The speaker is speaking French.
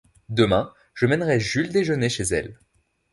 Demain je mènerai Jules déjeuner chez elle.